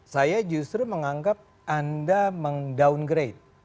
saya justru menganggap anda meng downgrade